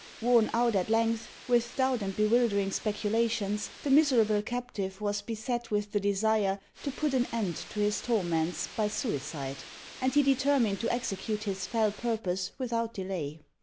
Worn out, at length, with doubt and bewildering speculations, the miserable captive was beset with the desire to put an end to his torments by suicide, and he determined to execute his fell purpose without delay.